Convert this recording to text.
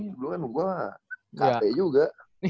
belum kan gua gede juga